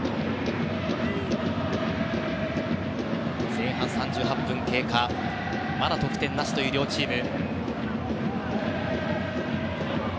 前半３８分経過まだ得点なしという両チーム。